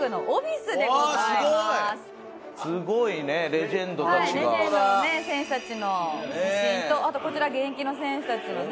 レジェンドの選手たちの写真とあとこちら現役の選手たちのね。